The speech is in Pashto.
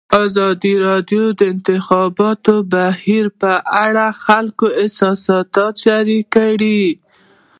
ازادي راډیو د د انتخاباتو بهیر په اړه د خلکو احساسات شریک کړي.